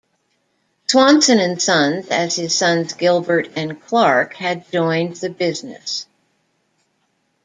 Swanson and Sons, as his sons Gilbert and Clarke had joined the business.